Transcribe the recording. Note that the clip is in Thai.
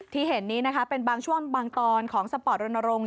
ที่เห็นนี้นะคะเป็นบางช่วงบางตอนของสปอร์ตรณรงค์